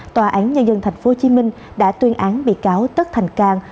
tòa án nhân dân tp hcm đã tuyên án bị cáo tất thành cang